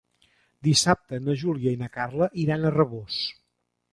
Dissabte na Júlia i na Carla iran a Rabós.